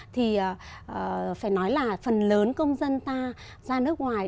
thì phải nói là phần lớn công dân ta ra nước ngoài